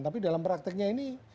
tapi dalam prakteknya ini